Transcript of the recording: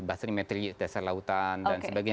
basrimetri dasar lautan dan sebagainya